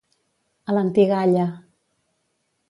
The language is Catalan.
A l'antigalla.